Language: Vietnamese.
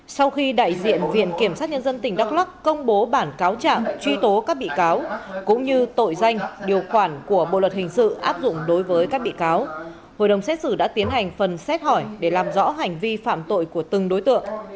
sau khi đại diện viện kiểm sát nhân dân tỉnh đắk lắc công bố bản cáo trạng truy tố các bị cáo cũng như tội danh điều khoản của bộ luật hình sự áp dụng đối với các bị cáo hội đồng xét xử đã tiến hành phần xét hỏi để làm rõ hành vi phạm tội của từng đối tượng